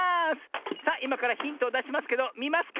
さあいまからヒントをだしますけどみますか？